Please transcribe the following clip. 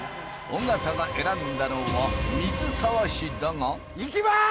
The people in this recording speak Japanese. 尾形が選んだのは水沢市だがいきまーす！